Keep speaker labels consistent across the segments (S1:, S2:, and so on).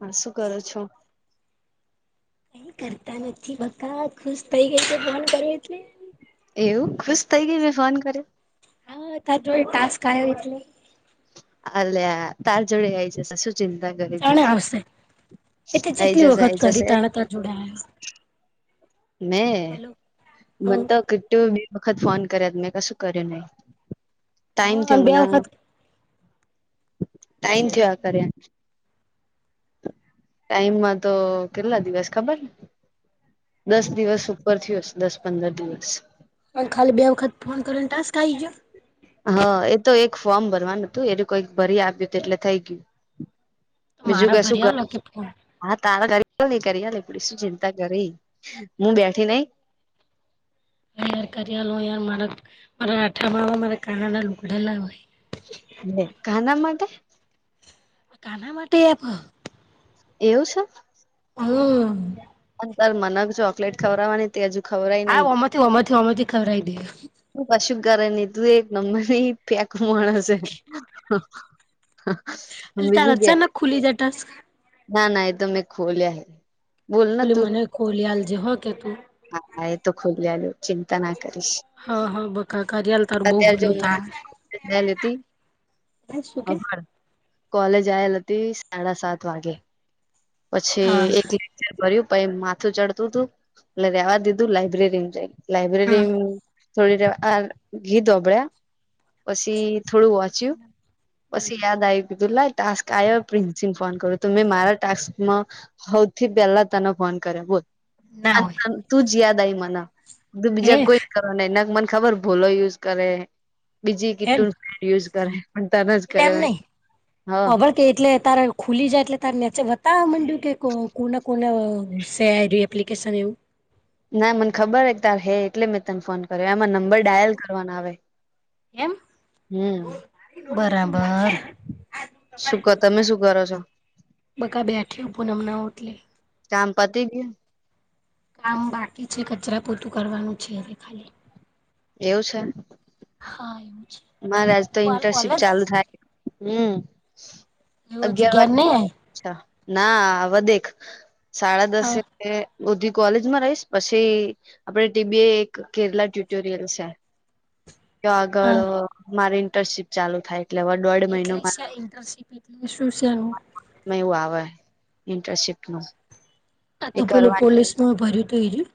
S1: હા શું કરો છો?
S2: કરતા નથી બકા ખુશ થઈ ગઈ છે ફોન કરે એટલે
S1: એવું ખુશ થઈ ગઈ મેં ફોન કર્યો
S2: હા તારી જોડે ટાસ્ક આયો એટલે
S1: અલ્યા તાર જોડે આય જસે શું ચિંતા
S2: જાણે
S1: કરી
S2: આવશે એ તે
S1: [unintelligible] આઈ
S2: જેટલી
S1: જશે
S2: વખત
S1: આઈ
S2: કરી
S1: જશે
S2: [unintelligible]
S1: મેં
S2: હલો
S1: મન
S2: હમ
S1: તો [unintelligible] વખત ફોન કર્યા મેં કશું કર્યું નહી ટાઈમ
S2: હા
S1: થયો
S2: અને બે
S1: મન
S2: વખત
S1: ટાઈમ થીયા
S2: જેટલું
S1: કરે ટાઈમમાં તો કેટલા દિવસ ખબર દસ દિવસ ઉપર થીયોશે દસ પંદર દિવસ
S2: પન ખાલી બે વખત ફોન કરી ને ટાસ્ક આય ગ્યો
S1: હા એ તો એક ફોર્મ ભરવાનું હતું એ તો કઈક ભરી આપ્યું એટલે થઈ ગયું.
S2: તો
S1: બીજું
S2: મારા
S1: કશું
S2: ભરી આલો
S1: [unintelligible]
S2: કે ફોન
S1: હા તારા કરી [unintelligible] શું ચિંતા કરી હું બેઠી નઈ
S2: [unintelligible]
S1: લે કાના માટે
S2: કાના માટે [unintelligible]
S1: એવું સ
S2: હમ્મ
S1: અંતર મનગ ચોકલેટ ખવરાવાની તે હજુ ખવરાઈ
S2: [unintelligible]
S1: તું કશું કરે ની તું એક નંબર ની ફેકુ માણસે.
S2: એટલે તારે અચાનક ખુલી જાય ટાસ્ક.
S1: ના ના એ તો મેં ખોલીયા હે. બોલ ને
S2: અલી
S1: તું
S2: મને ખોલી આલ જે હ કે તું.
S1: હા એ તો ખોલી આલું. ચિંતા ના કરીશ
S2: હા હા બકા કરિયાલ તારું બહુ
S1: અત્યારે
S2: ભલું થાય.
S1: જો લેતી.
S2: ભાઈ શું કે.
S1: કોલેજ આયેલ હતી સાડા સાત વાગે.
S2: હા
S1: પછી એક લેક્ચર ભર્યું પહી માથું ચડતું હતું એટલે રેવા દીધું લાઈબ્રેરીમાં જઈન.
S2: હા
S1: લાઈબ્રેરી. થોડી રેવા ગીત હોંભલા પછી થોડું વાંચ્યું. પછી યાદ આવ્યું કે લાય ટાસ્ક આવ્યો પ્રિન્સ ને ફોન કર તું મેં મારા ટાસ્ક. મા હવથી પેલા તને ફોન કર્યા બોલ
S2: ના
S1: અને
S2: હોય
S1: તને. તું જ યાદ આઈ મને તું
S2: હે
S1: બીજા કોઈ
S2: એમ
S1: કરો નક મને ખબર ભોલો યુઝ કરે. બીજી કીટ યુસ કરે. પણ તને જ
S2: એટલે એમ
S1: કર્યો
S2: નઈ
S1: હ
S2: હવે. કે એટલે તારે ખુલી જાય એટલે તારે નેચે બતાવા માંડ્યું કે કોને કોને સે આ રયુ એમ. એપ્લિકેશન એવું.
S1: ના મને ખબર હે તાર હે એટલે મેં તને ફોન કર્યો આ માર નંબ. નંબર ડાયલ કરવાનો આવે
S2: એમ
S1: હમ.
S2: બરાબર.
S1: શું કો તમે શું કરો છો
S2: બકા બેઠી હું પૂનમ ના ઓટલે.
S1: કામ પતિ ગયુ.
S2: કામ બાકી છે કચરા પોતું કરવાનું છે હવે ખાલી.
S1: એવું છે.
S2: હા એવું છે.
S1: મારે આજ તો
S2: તું હાલ
S1: ઇન્ટર્શીપ
S2: કોલેજ
S1: ચાલુ થાય હમ
S2: એવું હજી
S1: અગ્યાર
S2: ઘેર
S1: વાગ્યે.
S2: નહી આઈ
S1: અચ્છા ના વદેખ સાડા
S2: હા
S1: દસે. બધી કોલેજમાં રહીશ પછી આપડે ટીબી એ એક કેરલા ટ્યુટોરિયલ છે. તો આગળ
S2: હા
S1: મારી ઇન્ટર્શીપ ચાલુ થાય એટલે હવે દોઢ મહિનો.
S2: કઈ ઈન્ટરશીપ. [unintelligible]
S1: મે એવું આવે ઈન્ટર્શીપ નું.
S2: આ તો
S1: એ
S2: પેલું
S1: કરવા
S2: પોલીસ માં ભર્યું તું એ રયુ.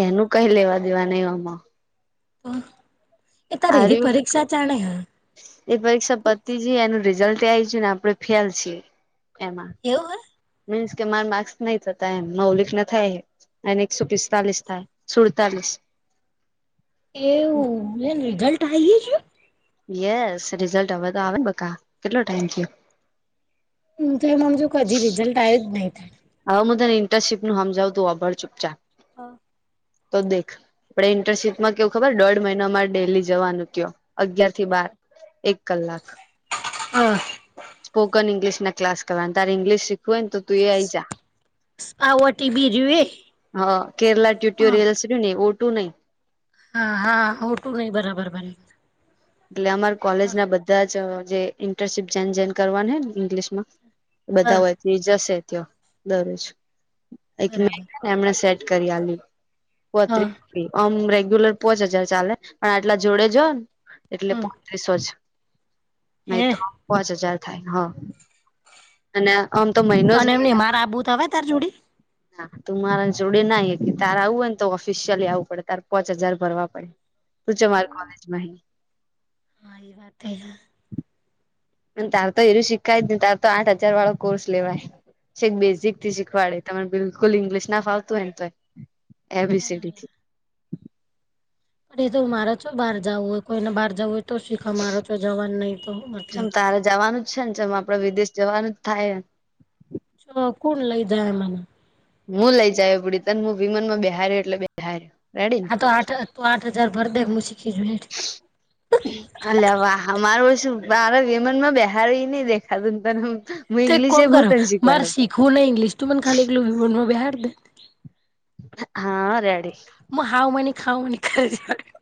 S1: એનું કઈ લેવા દેવા નઈ ઓમાં.
S2: તો એ રેરી
S1: આર્યુ
S2: પરીક્ષા ચાલે હે.
S1: એ પરીક્ષા પતી જી એનું રિઝલ્ટય આયી જ્યું ને આપણે ફેલ છીએ એમાં.
S2: એવું હે.
S1: મીન્સ કે મારે માર્ક્સ નઈ જતા એમ મૌલિક ના થાય. એન એકસો પિસ્તાલીસ થાય સુડતાલીસ.
S2: એવું હે ને રિઝલ્ટ આયી ગયું.
S1: યેસ રિઝલ્ટ હવે તો આવે ને બકા કેટલો ટાઈમ ગયો.
S2: હું તો એમ હમજુ કે હજી રિઝલ્ટ આવ્યું જ નહીં.
S1: હવે હું તને ઇન્ટર્શીપનું હમજાવું તું હોંભળ ચૂપચાપ.
S2: અ.
S1: તો દેખ આપણે ઇન્ટર્શીપમાં કેવું ખબર દોઢ મહિનામાં ડેલી જવાનું ત્યોં. અગિયાર થી બાર એક કલાક.
S2: [unintelligible]
S1: સ્પોકન ઈંગ્લિશ ના ક્લાસ કરવાના તારે ઈંગ્લિશ શીખવુ હોય ને તું એ આઈ જા.
S2: આ વટી બીજુએ.
S1: હ કેરલા ટ્યુટોરિયલ્સ રયુ ને એ ઓટું નહીં.
S2: હા હા ઓટું નઈ બરાબર બને.
S1: એટલે અમારા કોલેજના બધા જ જે ઈન્ટર્શીપ જેન જેન કરવાને ઇંગ્લિશ માં. બધા
S2: હા
S1: હોયથી જશે ત્યો દરરોજ એક મે
S2: બરાબર
S1: એમને સેટ કરી આલ્યું
S2: હા
S1: ગોત્રી અમ રેગ્યુલર પોચ હજાર ચાલે પણ આટલા જોડે જો એટલે
S2: હમ
S1: પચીસો જ
S2: હે
S1: નહી તો પોચ હજાર થાય હ. અને આમ તો મ
S2: અને એમને મારા આ બુટ આવે તારે જોડી.
S1: હા તું મારા જોડે નાઈ કે તારે આવું હોય ને તો ઓફિસિયલી આવવું પડે તારે પોચ હજાર ભરવા પડે. તું [unintelligible]
S2: એવું
S1: કોલેજમાં
S2: હા એ વાત
S1: [unintelligible] તાર તો આઠ હજાર વાળો કોર્સ લેવાય. છે બેઝિકથી શીખવાડે તમને બિલકુલ ઈંગ્લિશ ના ફાવતું હોયને તોય એ બી સિ દી
S2: અરે
S1: થી.
S2: પણ એ તો મારે ચો બહાર જાવું હોય કોઈને બાર જવું હોય તો શીખ મારો જવાનું નહીં તો હુ
S1: ચમ
S2: મતલબ
S1: તારે જવાનું જ છે ને જેમ આપડે વિદેશ જવાનું જ થાયે એમ
S2: શ કોણ લઈ જાય મને.
S1: હું લઈ જાય પડી તને હું વિમનમાં [unintelligible] એટલે ઠાઆય
S2: હા તો આઠ તો આઠ હજાર ભર દે મુ [unintelligible]
S1: [unintelligible] મારે વિમાનમાં બેહારી ની ડે દેખાતું ને તને હું.
S2: તો એક
S1: ઇંગ્લિશ
S2: કોમ
S1: એ હું
S2: કર
S1: તને
S2: મારે
S1: શીખવાડું
S2: શીખવું ને ઇંગ્લિશ તું મને ખાલી. [unintelligible]
S1: હાઆ રેડિ.
S2: હ હાઉ મને ખાઉ મને [unintelligible]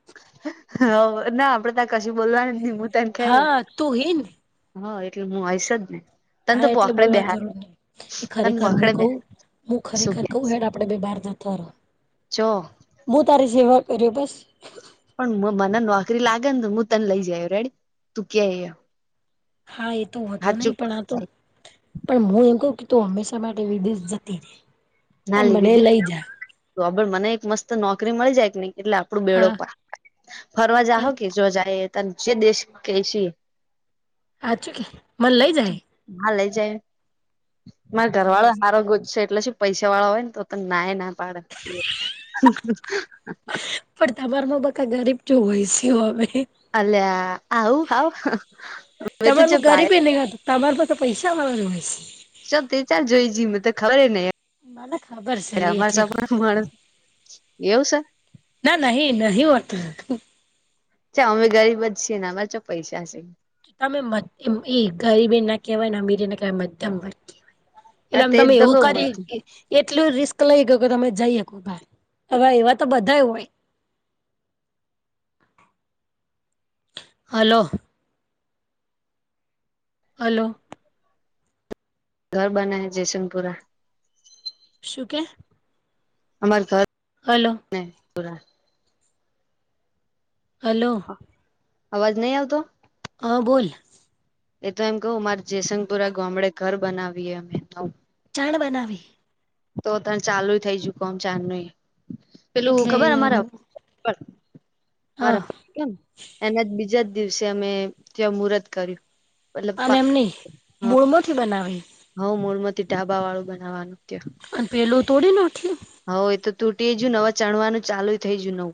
S1: હ ના આપડે ત્યાં કશું બોલવાની નહી હું તને કેયુ
S2: હા તું હે ને
S1: હા એટલે હું હશજ ને તને
S2: હા
S1: તો
S2: એટલે
S1: પોખડે
S2: બોલવાની
S1: બેહાડ
S2: જરૂર નહી એ
S1: તને
S2: ખરેખર હું
S1: પોખડે
S2: કવું
S1: બેહાડ
S2: હું
S1: શું
S2: ખરેખર
S1: કે
S2: કવું હેડ આપડે બે બાર તર
S1: જો
S2: હુ તારી [unintelligible]
S1: પણ મને નોકરી લાગે ને હું તને લઈ જય રેડી તું કે ઈ
S2: હા એ તો વાંધો નહી પણ આતો પણ હું એમ કહું કે તું હંમેશા માટે વિદેશ જતી રે પણ
S1: ના લી
S2: મને
S1: વી
S2: લઈ જા
S1: તો મને એક મસ્ત નોકરી મળી જાય કે નહી એટલે આપડું બેડો
S2: હા
S1: પાડ ફરવા
S2: હે
S1: જાહો કે જો જાય ત જે દશ કે જે ઈ
S2: હચું કે મને લઈ જાય
S1: હા લઇ જાય મારે ઘર વાળો
S2: બસ
S1: હારો ગોજશે એટલે પૈસા વાળા હોય ને તો તને નાયે ના પાડે
S2: પણ તમાર માં બકા ગરીબ જો હોય છે હવે
S1: અલ્યા આવું હાવ હવે તો
S2: તમારુ
S1: જે ભાઈ
S2: ગરીબી ની હોય તમારમાં તો પૈસા વાળા હોય છે
S1: ચાલ તે ક્યા જોઈ જઈ મને ખબર નઈ
S2: મને ખબર છે લી એટલે કઉ
S1: [unintelligible] એવું છે
S2: ના ના નહી હોતું
S1: ચ અમે ગરીબ જ છીએ ને અમારે ચ પૈસા છે
S2: અમે મધ્યમ ઈ ગરીબ એ ના કહેવાય ને અમીર એ ના કેહેવાય મધ્યમ વર્ગી એટલે
S1: આ
S2: આમ
S1: તેજ
S2: તમે
S1: તો
S2: એવું
S1: કઉ મન
S2: કરી એટલું રિસ્ક લઈ ગયું કે તમે જઈ શકો ભાઈ હવે એવા તો બધા હોય
S1: આ છે
S2: હલોો હલોો
S1: ઘર બના હ જયસનપુરા
S2: શું કે
S1: અમાર સર
S2: હલો
S1: મે પરા
S2: હલો
S1: અવાજ નહી આવતો
S2: હ બોલ
S1: એ તો એમ કહ મારે જેયસંગપુરા ગામડે ઘર બનાવીએ અમે તો
S2: ચાણ બનાવી
S1: તો ત ચાલુ થઈ જુક આમ ચા ન પેલું
S2: એટલે
S1: ખબર અમારા
S2: હા
S1: બરાબર કેમ એના જ બીજા જ દિવસે અમે ત્યાં મુહૂર્ત કર્યું મતલબ
S2: અને એમની મૂળમોથી બનાવી
S1: હઉ મૂળમાંથી ઢાબા વાળું બનાવવાનું કું
S2: અને પેલું તોડી ના ઉઠ્યું
S1: હઉ એ તો તૂટીય ન હવા ચણવાનું ચાલુ થઈ ગયું નવું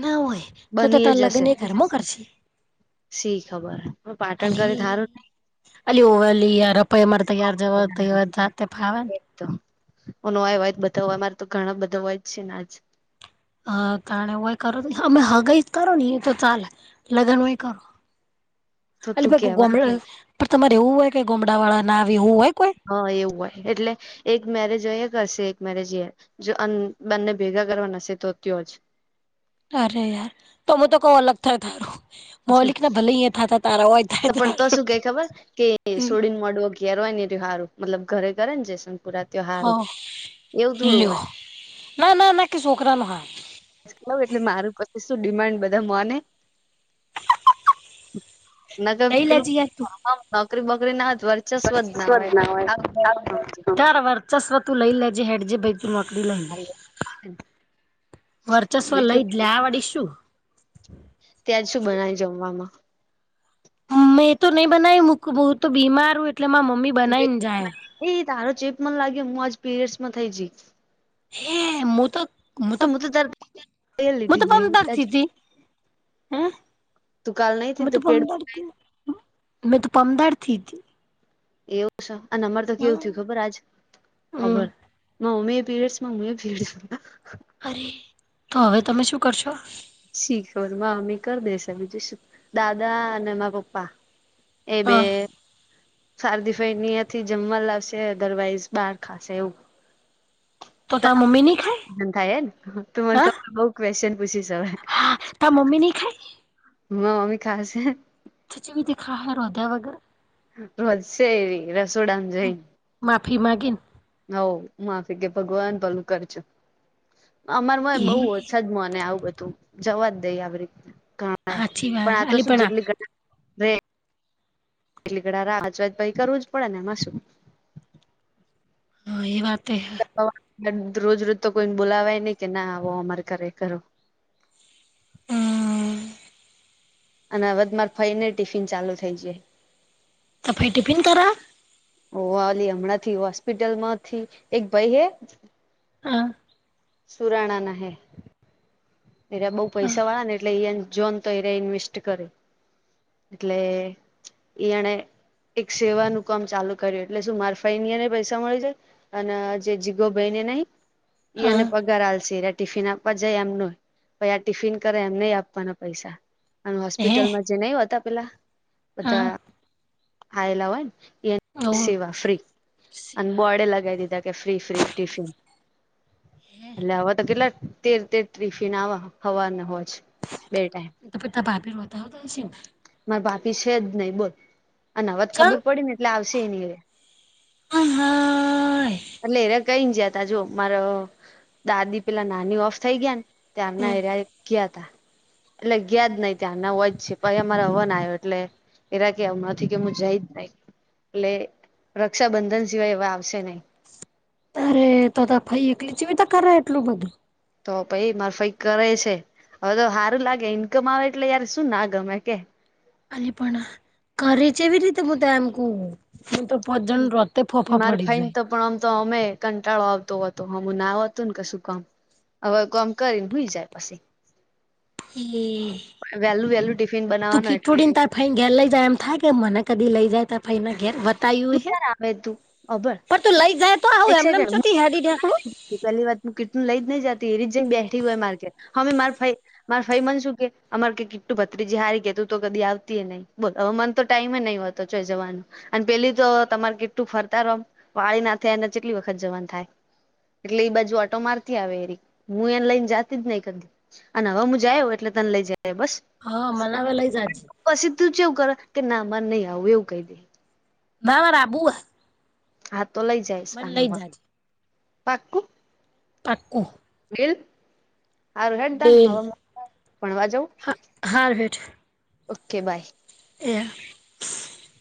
S2: ના હોય તો ત
S1: બની
S2: તર
S1: જશે
S2: લગ્ન એ ઘરમાં કરશે
S1: સી ખબર હ પાટણ
S2: અલી
S1: કરી ધારું
S2: અલી ઓવેલી યાર રપાઈ મારે તૈયાર જવા જાતે ફાવ
S1: તો ન આય વાય બધા મારે તો ઘણા બધા હોય જ છે ને આજ
S2: હ તણે હોય કરો અમે હગઈ કરો ને એ તો ચાલે લગ્ન હોય કરો
S1: [inaudible]
S2: અ ભાઈ
S1: કેવા
S2: ગમડા તમારે એવું હોય કે ગમડા વાળા ના આવી એવું હોય કોઈ
S1: હા એવું હોય એટલે એક મેરેજ હોય કરશે એક મેરેજ જો બંને ભેગા કરવા નસે તો તયો જ
S2: અરે યાર તોમેું તો કઉ અલગ થાય તારું મૌલિક ના ભલે અહીંયા થતા તારા હોય થાય
S1: પણ તો
S2: તારું
S1: શું ક ખબર કે સોડીન મોડવ કેરો ને તિહારો મતલબ ઘરે ઘર જ
S2: હ લ
S1: હોય
S2: ના ના ના કેસું ઓકરા નહય
S1: એટલે મારું પાસે શું ડિમાન્ડ બધા મોને ના કે
S2: લઈ
S1: પેલું
S2: લેજે યાર તું
S1: નોકરી બકરી ના દ વાર ચસ્વત ના હોયજ
S2: તર વર્ચસ્વતું લઈ લેજે હેડ જેે ભાઈ મકડી લઈ લે વર્ચસ્વ
S1: બીજું
S2: લઈ જ લે આ વાળી શું
S1: ત્યાંજ શું બનાવી જમવામાં
S2: મેં તો નહી બનાવી મક બહુ તો બીમાર હું એટલે મા મમ્મી બનાવીને જાય
S1: એ તારો ચેપ મન લાગે હું આજ પીરિયડ્સ માં થઈ જઈ
S2: હે હું તો
S1: પણ હું તો તારે
S2: હું તો
S1: લધી નહી ત
S2: પમદારથી હતી હે
S1: તું કાલહીું પેટ
S2: મે તો પમદરથી હતી
S1: એવું છે અને અમાર તો કેવું થયું ખબર આજ
S2: હમ
S1: ખભર મમ્મી પીરયડ ના મુ ભીડસ
S2: અરે તો હવે તમે શું કરશો
S1: શીખર મમ્મી કરી દેશે બીજું શું દાદા અને મા પપ્પા એ
S2: હા
S1: બે શારદી ફાઈ થી જમવા લાવશે અધરવાઈઝ બહાર ખાશે એવું
S2: તો તાર મમ્મી નહી ખાય
S1: [unintelligible] તો તમે
S2: હા
S1: બઉ ક્વેશ્ચન પૂછો છો હે
S2: તા મમ્મીની ખાય.
S1: હા મમ્મી ખશે.
S2: ખીચડી તે ખાહે રાધેયા વગર.
S1: હશે એરી રસોડા ને જઈ.
S2: માફી માગીન
S1: હવ માફી કે ભગવાન ભલું કરજો.
S2: એ
S1: અમારમાંય બહુ ઓછ જમાં અને આવું બધું જવા જ દઈ આવી રીત ને ઘણા
S2: હાચી
S1: [unintelligible] પણ
S2: વાત
S1: આતો
S2: અલી
S1: શું જેટલી ઘટના રે એટલી ઘડા રાજવાજ ભાઈ કરવું જ પડે નેમાં શું.
S2: હા એ વાતે
S1: તો રોજ રોજ તો કોઈને બોલાવાય નહી કે ના આવો અમારે ઘરે કરો.
S2: હમ્મ
S1: અને હવેમાર ફઈ ને ટિફિન ચાલુ થઈ જાય.
S2: તો ફઈ ટીફિન તો રાખ.
S1: ઓ વાલી હમણાં થી હોસ્પિટલ માંથી એક ભાઈ હે
S2: હા.
S1: સુરાણા ના હે. એરા બહુ
S2: હા
S1: પૈસા વાળા ને એટલે એ જોન તો એ ઇન્વેસ્ટ કરે એટલે યાણે એક સેવાનું કામ ચાલુ કર્યું એટલે શું મારફાઈને પૈસા મળી જાય. અને જે જીગો ભાઈ ને નહીં એને
S2: હા
S1: પગાર હાલશે ટિફિન આપવા જાય એમનું પાહિ આ ટિફિન કરે એમ ને આપવાના પૈસા અને
S2: હે
S1: હોસ્પિટલમાં જે નહીં હોતા પેલા.
S2: હા
S1: બધા ખાયલા હોય ને એ
S2: ઓ
S1: સિવા ફ્રી અને
S2: શિવા
S1: બોર્ડે લગાવી દીધા કે ફ્રી ફ્રી ટિફિન. એટલે આવા તો કેટલા તેર તેર ટિ ટિફિન હવ હાવારના હોય છે બે ટાઈમ.
S2: તો પિ તા ભાભીર વધાવતા હશે.
S1: મારા ભાભી છે જ નહી બોલ અને હવેત
S2: ચમ
S1: ખબર પડી ને એટલે આવશે નહિ એ.
S2: આમ હા.
S1: એટલે એને કઈ જયા તા જો મારા દાદી પેલા નાની ઓફ થઈ ગયા ને ત્યારના
S2: હમ્મ
S1: એરિયા કયા હતા. એટલે ગયા જ નહિ ત્યાંના હોય જ છે પછી અમારે હવન આવ્યો એટલે એરા કે આવું નથી કે હું જઈ જ નહીં. એટલે રક્ષાબંધન સિવાય એવા આવશે નહિ.
S2: અરે તો તો ફાઈ એકલી ચીવીતા કરે એટલું બધું.
S1: તો પાઈ મારફાઈ કરે છે હવે તો સારું લાગે ઈન્કમ આવે એટલે યાર શું ના ગમે કે.
S2: અરે પણ કરી જેવી રીતે હું તો એમ કહું. હું તો ભજન રતે ફોફા
S1: માર
S2: પડી
S1: ફઈને
S2: જાય.
S1: તો પણ આમ તો અમે કંટાળો આવતો હતો હમું ના હતું ને કશું કામ. હવે કોમ કરીને હુઈ જાય પછી.
S2: એ
S1: વેલું વેલું ટિફિન બનાવાનું એટલે
S2: ફઈ ઘેર લઇ જાય એમ થાય કે મને કદી લઈ જાય તો ફને ઘેર બતાય્યું હે.
S1: આવે તું અભણ
S2: પણ તું લઈ જાય તો આવું
S1: એક
S2: એમને એમ
S1: સેકન્ડ
S2: [unintelligible] હેરી દેખડું.
S1: પેલી વાત હું કીટન લઈ જ નઈ જતી એ ર જઈ બેઠી હોય માર્કેટ હમે માર ફઈ મારે ફાઈ મનશું કે અમારે કે કીટું ભત્રીજી સારી કે તું તો કદી આવતીય નહી. બોલો હવે મન તો ટાઈમેમ નહી હોતો જો જવાનું. અને પેલી તો તમારે કેટલું ફરતા રોમ વાળી ના થાય એને કેટલી વખત જવાનું થાય. એટલે એઈ બાજુ ઓટો મારતી આવે એ હું એને લઈને જાતી જ નહી કદી. અને હવે હું જાય એટલે તને લઇ જાય બસ.
S2: હા મને હવે લઈ જાજે.
S1: પછી તું ચાવું કરે કે ના માર નહી આવું એવું કહી દે.
S2: નવરા [unintelligible]
S1: હા તો લઈ જાયશ આ
S2: જાજે
S1: પાકુ -
S2: પાકુ -
S1: બીલ સારું હે ત હ ભણવા જવ-
S2: હારભેટ-
S1: ઓકે બાય-
S2: એયા-